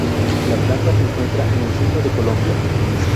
La planta se encuentra en el centro de Colombia.